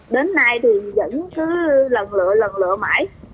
đến nay thì vẫn cứ lần lựa lần lựa mãi